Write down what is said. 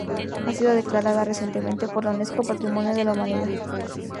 Ha sido declarada recientemente por la Unesco Patrimonio de la Humanidad.